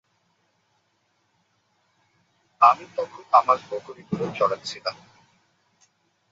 আমি তখন আমার বকরীগুলো চড়াচ্ছিলাম।